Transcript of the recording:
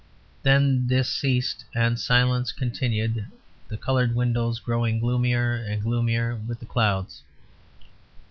Then this ceased; and silence continued, the coloured windows growing gloomier and gloomier with the clouds.